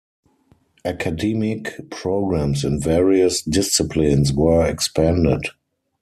Academic programs in various disciplines were expanded.